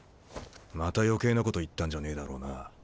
また余計なこと言ったんじゃねえだろうな。